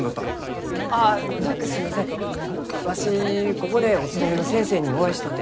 ここでお勤めの先生にお会いしとうて。